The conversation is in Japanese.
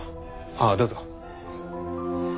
ああどうぞ。